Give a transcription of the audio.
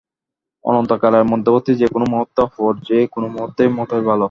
অনন্তকালের মধ্যবর্তী যে-কোন মুহূর্ত অপর যে-কোন মুহূর্তেরই মত ভাল।